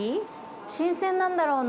新鮮なんだろうな。